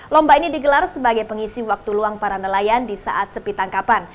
lomba ini digelar sebagai pengisi waktu luang para nelayan di saat sepi tangkapan